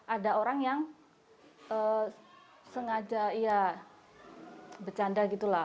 ada orang yang sengaja ya bercanda gitu lah